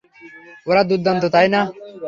ওরা দুর্দান্ত, তাই না?